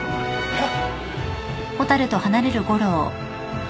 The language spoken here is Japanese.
えっ？